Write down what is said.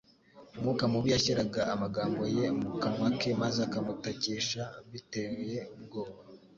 umwuka mubi yashyiraga amagambo ye mu kanwa ke maze akamutakisha bitcye ubwoba.